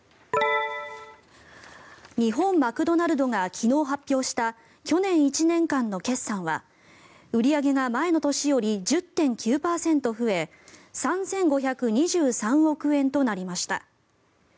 日本マクドナルドが昨日発表した去年１年間の決算は売り上げが前の年より１０．９％増え３５２３億円となりました。